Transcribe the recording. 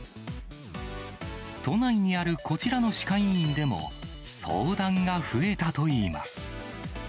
都内にあるこちらの歯科医院でも、相談が増えたといいます。